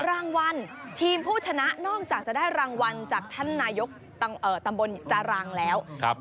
รางวัลทีมผู้ชนะนอกจากจะได้รางวัลจากท่านนายกตำบลจารังแล้ว